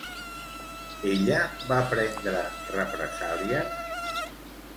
Ella va prendre represàlies?